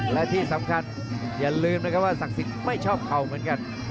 และที่สำคัญอย่าลืมนะครับว่าศักดิ์สิทธิ์ไม่ชอบเข่าเหมือนกัน